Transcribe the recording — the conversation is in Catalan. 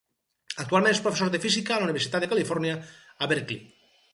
Actualment és professor de física a la Universitat de Califòrnia a Berkeley.